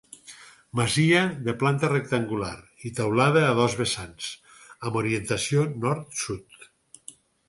Masia de planta rectangular i teulada a dos vessants, amb orientació nord-sud.